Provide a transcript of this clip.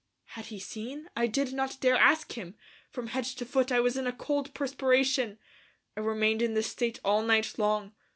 Had he seen? I did not dare ask him. From head to foot I was in a cold perspiration. I remained in this state all night long.